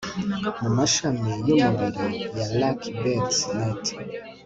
mumashami yumubiri ya Lucky Bets net